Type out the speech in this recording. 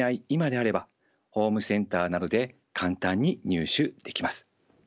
今であればホームセンターなどで簡単に入手できます。